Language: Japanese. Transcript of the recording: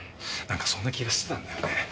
なんかそんな気がしてたんだよね。